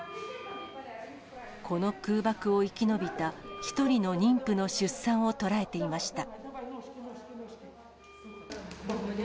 この空爆を生き延びた１人の妊婦の出産を捉えていました。